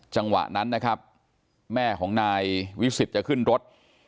จังหวะนั้นนะครับแม่ของนายวิสิทธิ์จะขึ้นรถ